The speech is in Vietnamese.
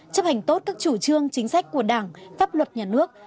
chấp hành tốt các chủ trương chính sách của đảng pháp luật nhà nước